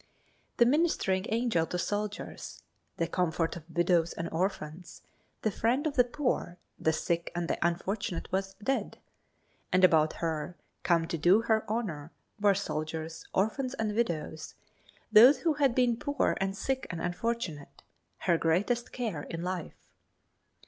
The ministering angel to soldiers, the comfort of widows and orphans, the friend of the poor, the sick and the unfortunate was dead, and about her, come to do her honor, were soldiers, orphans and widows; those who had been poor and sick and unfortunate, her greatest care in life.